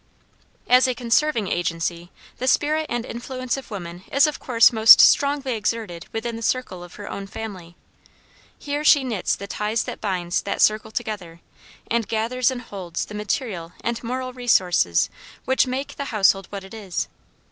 As a conserving agency, the spirit and influence of woman is of course most strongly exerted within the circle of her own family. Here she knits the ties that binds that circle together, and gathers and holds the material and moral resources which make the household what it is.